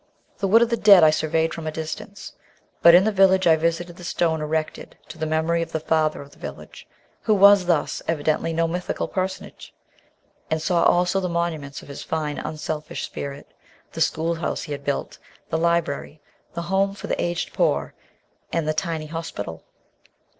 The Wood of the Dead I surveyed from a distance, but in the village I visited the stone erected to the memory of the "Father of the Village" who was thus, evidently, no mythical personage and saw also the monuments of his fine unselfish spirit: the schoolhouse he built, the library, the home for the aged poor, and the tiny hospital.